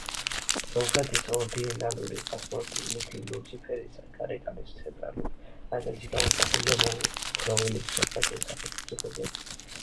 სომხეთის ორდინარული პასპორტი მუქი ლურჯი ფერისაა, გარეკანის ცენტრალურ ნაწილში გამოსახულია მოოქროვილი სომხეთის სახელმწიფო გერბი.